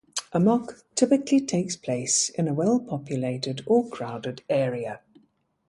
Amok typically takes place in a well populated or crowded area.